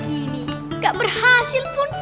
begini tidak berhasil pun